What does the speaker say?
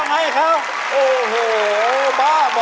โอ้โหบ้าบ่อ